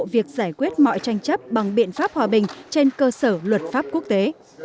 việc giải quyết mọi tranh chấp bằng biện pháp hòa bình trên cơ sở luật pháp quốc tế